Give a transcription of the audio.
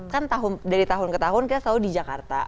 kan dari tahun ke tahun kita selalu di jakarta